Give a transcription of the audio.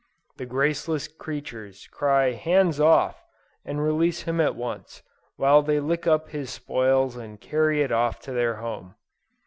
The graceless creatures cry "hands off," and release him at once, while they lick up his spoils and carry it off to their home.